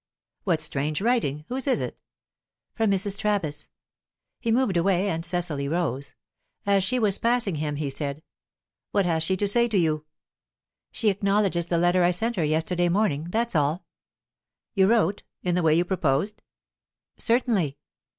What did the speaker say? "What strange writing! Whose is it?" "From Mrs. Travis." He moved away, and Cecily rose. As she was passing him, he said: "What has she to say to you?" "She acknowledges the letter I sent her yesterday morning, that's all." "You wrote in the way you proposed?" "Certainly."